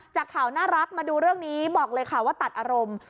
จากข่าวน่ารักมาดูเรื่องนี้บอกเลยค่ะว่าตัดอารมณ์